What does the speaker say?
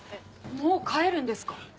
もう帰るんですか？